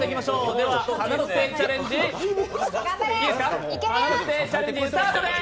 では華のステージチャレンジ、スタートです。